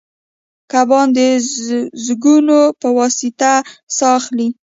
کبان د زګونو په واسطه ساه اخلي